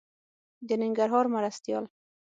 د ننګرهار مرستيال